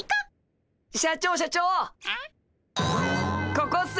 ここっす。